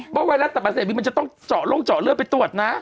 เพราะว่าไวรัสต่าอเศษบีมันจะต้องล่องเจาะเลือดไปตรวจนะ